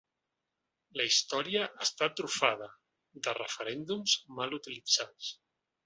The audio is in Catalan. La història està trufada de referèndums mal utilitzats.